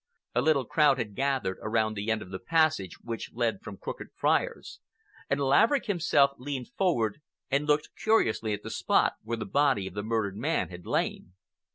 A little crowd had gathered around the end of the passage which led from Crooked Friars, and Laverick himself leaned forward and looked curiously at the spot where the body of the murdered man had lain.